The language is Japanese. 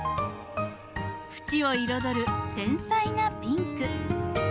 縁を彩る繊細なピンク。